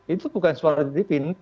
itu bukan suara yang ditutupi